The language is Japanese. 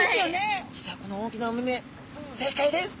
実はこの大きなお目々正解です！